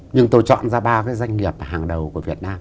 nhưng tôi chọn ra ba cái doanh nghiệp hàng đầu của việt nam